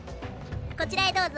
こちらへどうぞ。